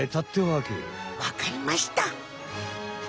わかりました。